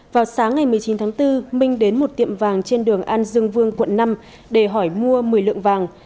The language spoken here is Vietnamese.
vào sáng ngày một mươi chín tháng bốn minh đến một tiệm vàng trên đường an dương vương quận năm để hỏi mua một mươi lượng vàng